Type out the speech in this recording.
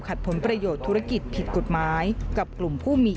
ผลประโยชน์ธุรกิจผิดกฎหมายกับกลุ่มผู้มี